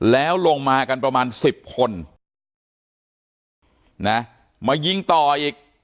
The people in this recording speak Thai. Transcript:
แล้วลงมากันประมาณ๑๐คนนะมายิงต่ออีก